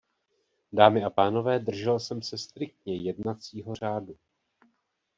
Dámy a pánové, držel jsem se striktně jednacího řádu.